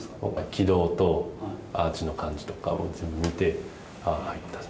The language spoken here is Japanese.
軌道とアーチの感じとかを全部見て、ああ、入ったと。